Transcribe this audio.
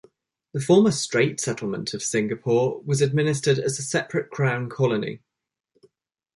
The former Strait Settlement of Singapore was administered as a separate crown colony.